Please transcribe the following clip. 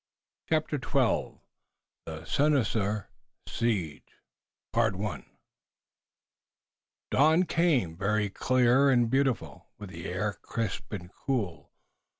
CHAPTER XII THE SINISTER SIEGE Dawn came, very clear and beautiful, with the air crisp and cool.